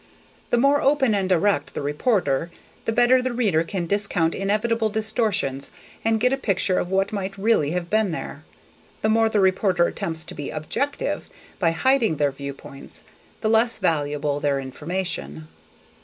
The more open and direct the reporter, the better the reader can discount inevitable distortions and get a picture of what might really have been there. The more the reporter attempts to be "objective" by hiding their viewpoints, the less valuable their information.